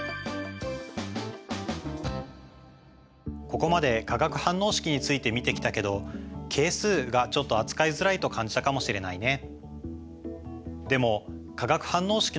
ここまで化学反応式について見てきたけど係数がちょっと扱いづらいと感じたかもしれないね。